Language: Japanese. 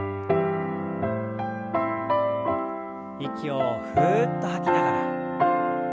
息をふっと吐きながら。